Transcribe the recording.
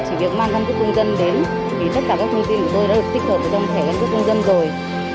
chỉ việc mang căn cứ công dân đến thì tất cả các thông tin của tôi đã được tích hợp trong thẻ căn cước công dân rồi